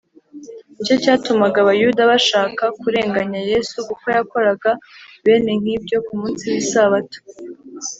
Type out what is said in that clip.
“Nicyo cyatumaga Abayuda bashaka kurenganya Yesu, kuko yakoraga bene nk’ibyo ku munsi w’Isabato.”